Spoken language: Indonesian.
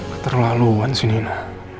keterlaluan sih nina